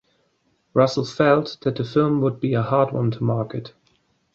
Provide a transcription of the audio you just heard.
Russell felt that the film would be a hard one to market.